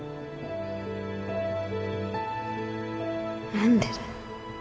何でだよ。